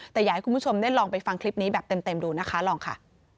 แต่อยากให้คุณผู้ชมได้ลองไปฟังคลิปนี้แบบเต็มดูนะคะลองค่ะ